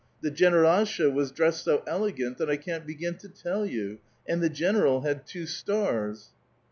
The (jenerdlsha was dressed so elegant that I can't begin to tell you ; and the general had two stars